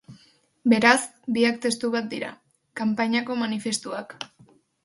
Beraz, biak testu bat dira, kanpainako manifestuak.